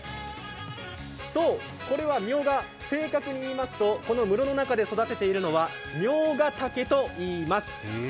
そうこれはみょうが、正確に言いますと、この室の中で育てているのはミョウガダケといいます。